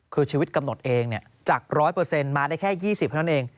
คือชีวิตกำหนดเองจาก๑๐๐มาได้แค่๒๐เท่านั้นเอง